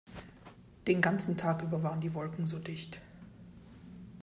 Den ganzen Tag über waren die Wolken so dicht.